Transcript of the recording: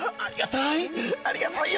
ありがたい！